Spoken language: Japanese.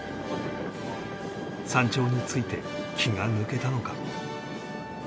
山頂に着いて気が抜けたのか